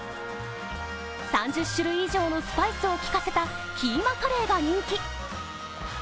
３０種類以上のスパイスをきかせたキーマカレーが人気。